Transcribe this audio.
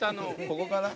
ここかな？